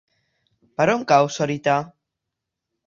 Per on cau Sorita?